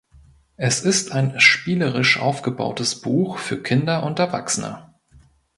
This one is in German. Es ist ein spielerisch aufgebautes Buch für Kinder und Erwachsene.